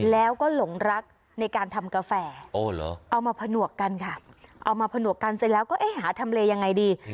แล้วก็หลงรักในการทำกาแฟเอามาผนวกกันค่ะเอามาผนวกกันเสร็จแล้วก็เอ๊ะหาทำเลยังไงดี